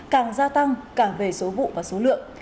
càng gia tăng càng về số vụ và số lượng